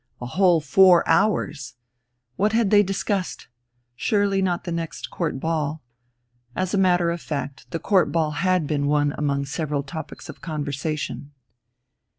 A whole four hours! What had they discussed? Surely not the next Court Ball? As a matter of fact, the Court Ball had been one among several topics of conversation.